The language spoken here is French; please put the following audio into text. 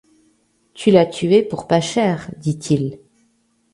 Tu l’as tué pour pas cher, dit-il.